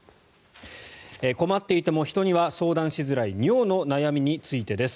困っていても人には相談しづらい尿の悩みについてです。